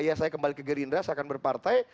iya saya kembali ke gerindra saya akan berpartai